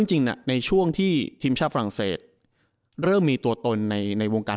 จริงมันไม่ใช่เรื่องใหม่นะครับ